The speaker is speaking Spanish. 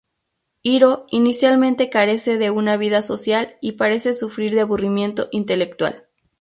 Hiro inicialmente carece de una vida social y parece sufrir de aburrimiento intelectual.